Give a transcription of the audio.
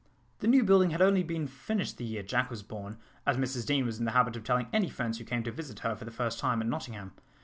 The new building had only been finished the year Jack was born, as Mrs Deane was in the habit of telling any friends who came to visit her for the first time at Nottingham.